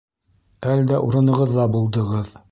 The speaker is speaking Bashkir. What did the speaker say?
Әлдә урынығыҙҙа булдығыҙ.